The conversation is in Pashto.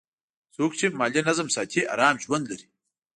څوک چې مالي نظم ساتي، آرام ژوند لري.